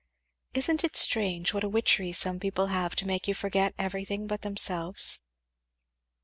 Isn't it strange what a witchery some people have to make you forget everything but themselves!"